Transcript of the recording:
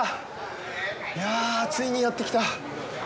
いやぁ、ついにやってきた！